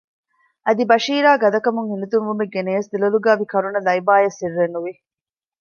އަދި ބަޝީރާ ގަދަކަމުން ހިނިތުންވުމެއް ގެނަޔަސް ދެލޮލުގައިވި ކަރުނަ ލައިބާއަށް ސިއްރެއްނުވި